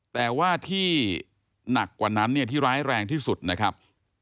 แต่ว่าที่หนักกว่านั้นเนี่ยที่ร้ายแรงที่สุดนะครับ